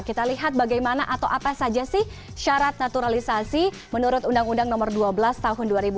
kita lihat bagaimana atau apa saja sih syarat naturalisasi menurut undang undang nomor dua belas tahun dua ribu dua